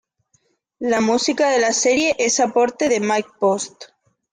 La música de la serie es aporte de Mike Post.